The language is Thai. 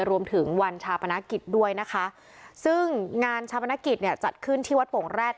รวมถึงวันชาปนกิจด้วยนะคะซึ่งงานชาปนกิจเนี่ยจัดขึ้นที่วัดโป่งแร็ด